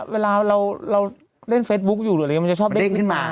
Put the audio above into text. เวลาเราเล่นเฟซบุ๊กอยู่หรืออะไรมันจะชอบเด้งขึ้นมา